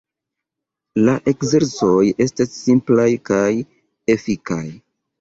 La ekzercoj estas simplaj kaj efikaj.